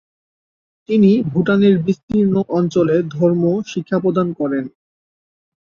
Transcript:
তিনি ভূটানের বিস্তীর্ণ অঞ্চলে ধর্ম শিক্ষাপ্রদান করেন।